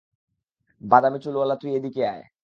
বাদামী চুল ওয়ালা তুই এদিকে আয়।